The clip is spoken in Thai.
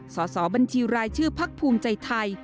สบรายชื่อพักภูมิใจไทย